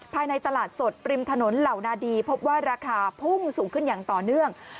ภายในตลาดสดริมถนนเหล่านาดีพบว่าราคาพุ่งสูงขึ้นอย่างต่อเนื่อง